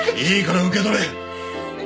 いいから受け取れ！